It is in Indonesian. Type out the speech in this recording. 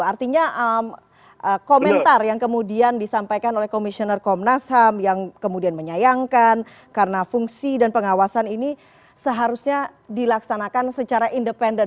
artinya komentar yang kemudian disampaikan oleh komisioner komnas ham yang kemudian menyayangkan karena fungsi dan pengawasan ini seharusnya dilaksanakan secara independen